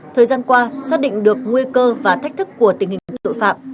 thời gian qua xác định được nguy cơ và thách thức của tình hình tội phạm